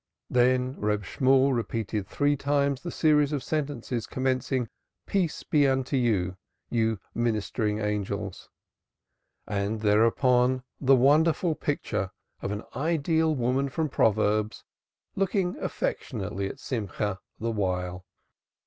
Then Reb Shemuel repeated three times a series of sentences commencing: "Peace be unto you, ye ministering Angels," and thereupon the wonderful picture of an ideal woman from Proverbs, looking affectionately at Simcha the while.